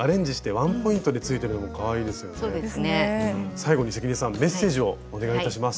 最後に関根さんメッセージをお願いいたします。